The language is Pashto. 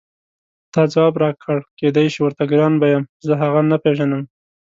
تا ځواب راکړ کېدای شي ورته ګران به یم زه هغه نه پېژنم.